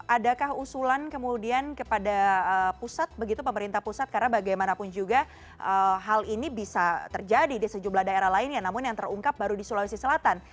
adakah usulan kemudian kepada pusat begitu pemerintah pusat karena bagaimanapun juga hal ini bisa terjadi di sejumlah daerah lainnya namun yang terungkap baru di sulawesi selatan